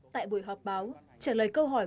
tại buổi họp báo trả lời câu hỏi